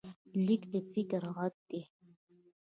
لیک د فکر غږ دی.